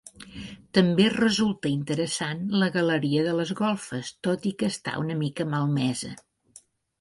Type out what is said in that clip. També resulta interessant la galeria de les golfes, tot i que està una mica malmesa.